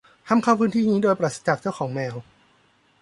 ห้ามเข้าพื้นที่นี้โดยปราศจากเจ้าของแมว